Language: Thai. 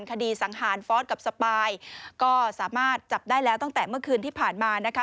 สังหารฟอสกับสปายก็สามารถจับได้แล้วตั้งแต่เมื่อคืนที่ผ่านมานะคะ